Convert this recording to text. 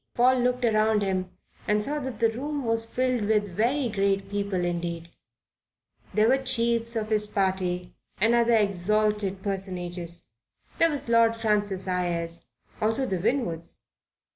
Paul looked around him and saw that the room was filled with very great people indeed. There were chiefs of his party and other exalted personages. There was Lord Francis Ayres. Also the Winwoods.